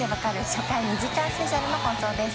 初回２時間スペシャルの放送です。